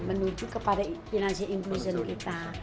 menuju ke financial inclusion kita